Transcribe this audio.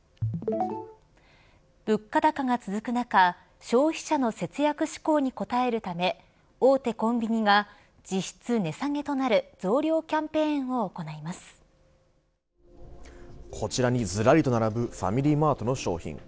物価高が続く中、消費者の節約志向に応えるため大手コンビニが実質値下げとなるこちらにずらりと並ぶファミリーマートの商品。